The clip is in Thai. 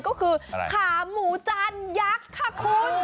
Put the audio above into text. ก็คือขาหมูจานยักษ์ค่ะคุณ